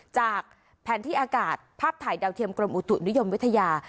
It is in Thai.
จากแผนที่อากาศภาพถ่ายดาวเทียมกรมอุตุนิยมวิทยา